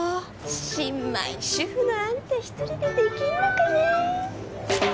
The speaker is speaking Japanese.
新米主婦のあんた一人でできんのかね